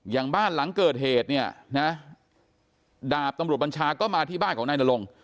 บ้านหลังเกิดเหตุเนี่ยนะดาบตำรวจบัญชาก็มาที่บ้านของนายนรงค